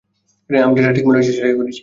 আমি যেটা ঠিক মনে করেছি, সেটাই করেছি।